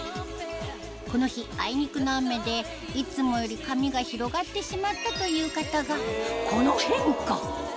この日あいにくの雨でいつもより髪が広がってしまったという方がこの変化！